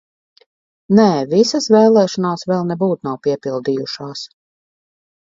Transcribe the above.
Nē, visas vēlēšanās vēl nebūt nav piepildījušās!